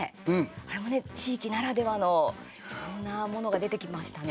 あれもね、地域ならではのいろんなものが出てきましたね。